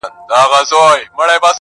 د روغن یوه ښیښه یې کړله ماته!